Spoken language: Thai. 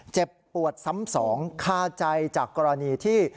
เจ็บปวดซ้ำสองคาใจจากกรณีที่